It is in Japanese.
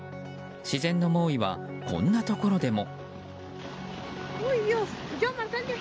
自然の猛威は、こんなところでも。